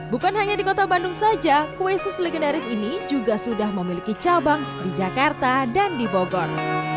bukan hanya di kota bandung saja kue sus legendaris ini juga sudah memiliki cabang di jakarta dan di bogor